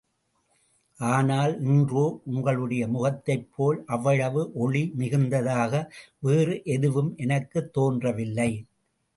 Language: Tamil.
ஆனால் இன்றோ உங்களுடைய முகத்தைப் போல் அவ்வளவு ஒளி மிகுந்ததாக வேறு எதுவும் எனக்குத் தோன்றவில்லை.